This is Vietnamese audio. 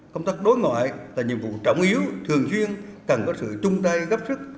công tác đối ngoại là nhiệm vụ trọng yếu thường duyên cần có sự trung tay gấp sức